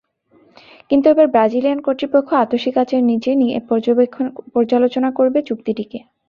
কিন্তু এবার ব্রাজিলিয়ান কর্তৃপক্ষ আতসী কাচের নিচে নিয়ে পর্যালোচনা করবে চুক্তিটিকে।